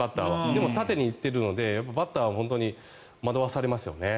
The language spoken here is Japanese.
でも縦に行っているのでバッターは本当に惑わされますよね。